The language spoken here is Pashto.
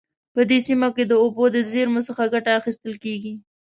په دې سیمه کې د اوبو د زیرمو څخه ښه ګټه اخیستل کیږي